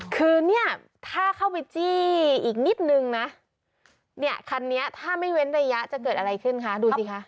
คือเนี่ยถ้าเข้าไปจี้อีกนิดนึงนะเนี่ยคันนี้ถ้าไม่เว้นระยะจะเกิดอะไรขึ้นคะดูสิคะ